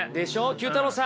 ９太郎さん。